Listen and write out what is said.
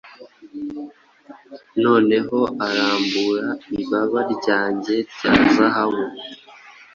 Noneho arambura ibaba ryanjye rya zahabu,